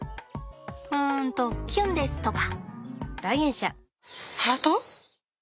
うんとキュンですとか？